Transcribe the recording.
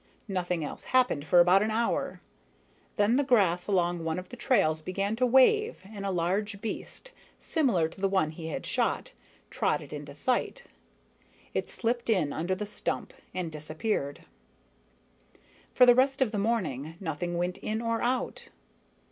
Nothing else happened for about an hour. Then the grass along one of the trails began to wave and a large beast, similar to the one he had shot, trotted into sight. It slipped in under the stump and disappeared. For the rest of the morning, nothing went in or out.